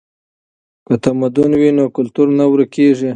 که تمدن وي نو کلتور نه ورکیږي.